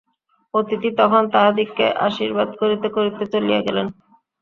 অতিথি তখন তাঁহাদিগকে আশীর্বাদ করিতে করিতে চলিয়া গেলেন।